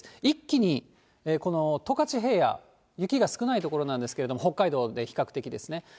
一気にこの十勝平野、雪が少ない所なんですけれども、北海道で比較的ですね。